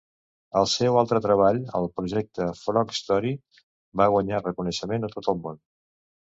El seu altre treball, el projecte Frog-Story, va guanyar reconeixement a tot el món.